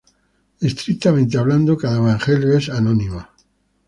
Estrictamente hablando, cada Evangelio es anónimo.